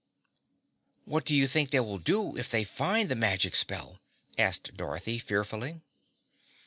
"What do you think they will do if they find the magic spell?" asked Dorothy fearfully.